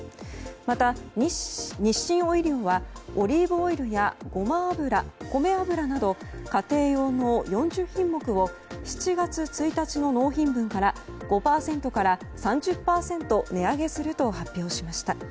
また、日清オイリオはオリーブオイルやごま油、こめ油など家庭用の４０品目を７月１日の納品分から５％から３０％値上げすると発表しました。